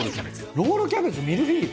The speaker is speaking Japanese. ロールキャベツミルフィーユ？